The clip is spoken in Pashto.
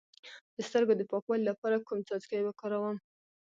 د سترګو د پاکوالي لپاره کوم څاڅکي وکاروم؟